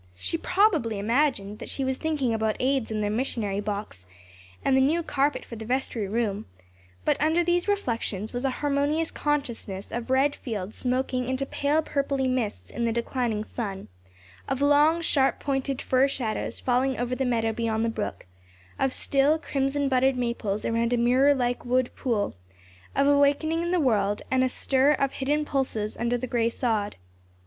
She probably imagined that she was thinking about the Aids and their missionary box and the new carpet for the vestry room, but under these reflections was a harmonious consciousness of red fields smoking into pale purply mists in the declining sun, of long, sharp pointed fir shadows falling over the meadow beyond the brook, of still, crimson budded maples around a mirrorlike wood pool, of a wakening in the world and a stir of hidden pulses under the gray sod.